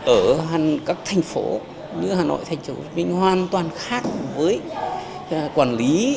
ở các thành phố như hà nội thành phố mình hoàn toàn khác với quản lý